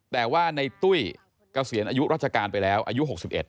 แต่ว่าในตุ้ยเกษียณอายุราชการไปแล้วอายุ๖๑